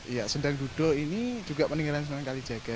ya sendang dudo ini juga peninggalan sunan kalijaga